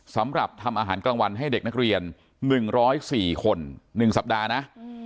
สำหรับทำอาหารกลางวันให้เด็กนักเรียน๑๐๔คน๑สัปดาห์นะ